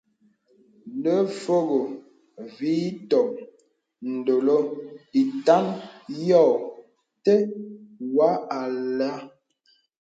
Nə Fògō vì ìtōm dòlo ītàn yô tə̀ wà àlə̄.